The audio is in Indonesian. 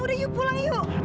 udah yuk pulang yuk